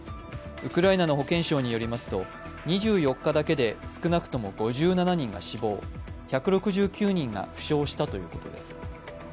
ウクライナの保健相によりますと２４日だけで少なくとも５７人が死亡、１６９人が負傷したということです。